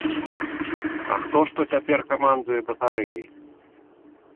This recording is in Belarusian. А хто ж то цяпер камандуе батарэяй?